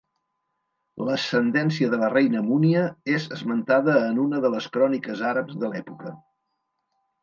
L'ascendència de la reina Múnia és esmentada en una de les cròniques àrabs de l'època.